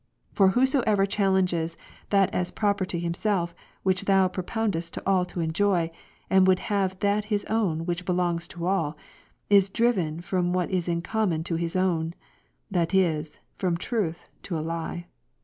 For whosoever challenges that as proper to himself, which Thou propoundest to all to enjoy, and would have that his own which belongs to all, is driven from what is in common to his own ; that is, from truth, to a lie.